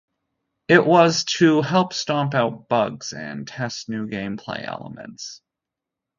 It was to help stomp out bugs and test new gameplay elements.